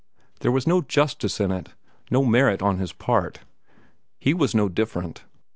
There was no justice in it, no merit on his part. He was no different.